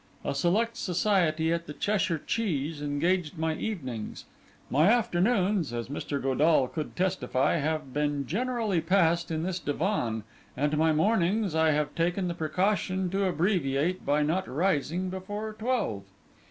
A select society at the Cheshire Cheese engaged my evenings; my afternoons, as Mr. Godall could testify, have been generally passed in this divan; and my mornings, I have taken the precaution to abbreviate by not rising before twelve.